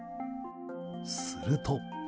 すると。